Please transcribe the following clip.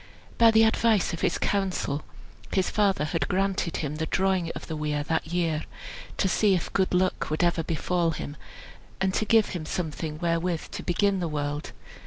By the advice of his council, his father had granted him the drawing of the weir that year, to see if good luck would ever befall him, and to give him something wherewith to begin the world.